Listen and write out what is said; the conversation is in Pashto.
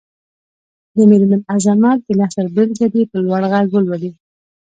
د مېرمن عظمت د نثر بېلګه دې په لوړ غږ ولولي.